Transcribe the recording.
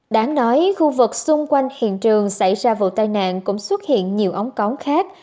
đáng nói khu vực xung quanh hiện trường xảy ra vụ tai nạn cũng xuất hiện nhiều ống cống khác